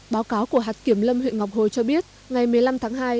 báo cáo của hạt kiểm lâm huyện ngọc hồi cho biết ngày một mươi năm tháng hai